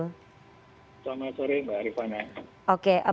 selamat sore mbak arifana